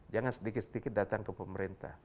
jangan sedikit sedikit datang ke pemerintah